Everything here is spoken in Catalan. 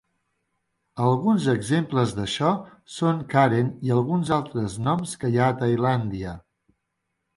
Alguns exemples d'això són Karen i alguns altres noms que hi ha a Tailàndia.